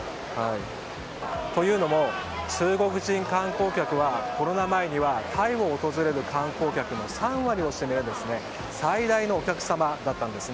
というのも、中国人観光客はコロナ前にはタイを訪れる観光客の３割を占める最大のお客様だったんです。